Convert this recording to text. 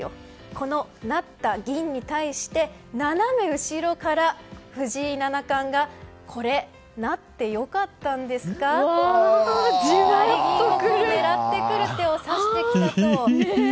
この成った銀に対して斜め後ろから藤井七冠が成ってよかったんですか？と成銀を狙ってくる手を指した。